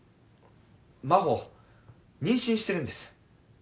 真帆妊娠してるんです。